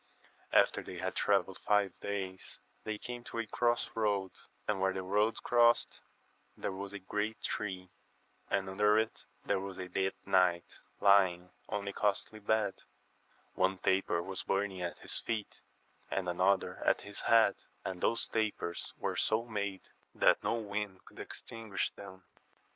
After they had travelled five days they came to a cross road, and where the roads crossed there was a great tree, and under* it there was a dead knight, lying on a costly bed , one taper was burning at his feet, and another at his head, and those tapers were so made that no wind could extinguish them.